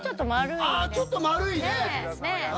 あぁちょっと丸いね！